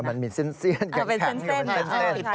มันมีเส้นเส้นเส้น